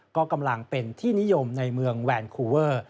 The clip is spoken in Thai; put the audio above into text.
ก็กำลังเป็นที่นิยมในเมืองแวนคูเวอร์